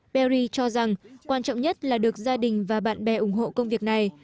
paris cho rằng quan trọng nhất là được gia đình và bạn bè ủng hộ công việc này